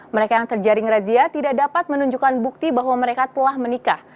mereka yang terjaring razia tidak dapat menunjukkan bukti bahwa mereka telah menikah